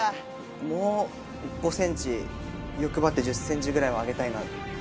もう５センチ、欲張って１０センチぐらいは上げたいなって。